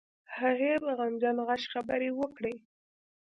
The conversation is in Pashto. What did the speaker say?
هغې په غمجن غږ خبرې وکړې.